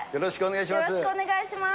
よろしくお願いします。